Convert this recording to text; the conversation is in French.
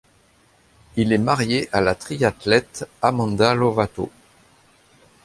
Il est marié à la triathlète Amanda Lovato.